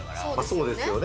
そうですよね。